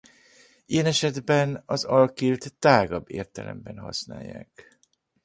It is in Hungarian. Ilyen esetben az alkilt tágabb értelemben használják.